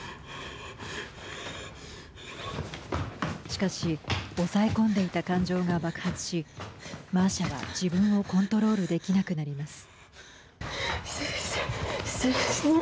しかし、抑え込んでいた感情が爆発しマーシャは自分をコントロールできなくなります。